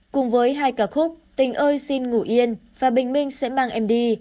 cùng với hai ca khúc tình ơi xin ngủ yên và bình minh sẽ mang em đi